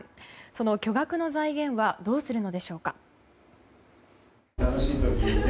その巨額の財源はどうするのでしょうか。